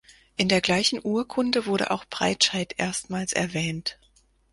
In der gleichen Urkunde wurde auch Breitscheid erstmals erwähnt.